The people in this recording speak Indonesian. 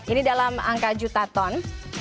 ini dalam angka juta ton